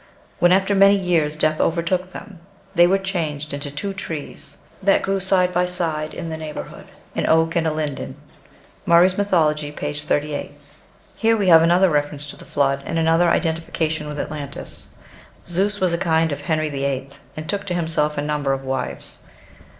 When, after many years, death overtook them, they were changed into two trees, that grew side by side in the neighborhood an oak and a linden." (Murray's "Mythology," p. 38.) Here we have another reference to the Flood, and another identification with Atlantis. Zeus was a kind of Henry VIII., and took to himself a number of wives.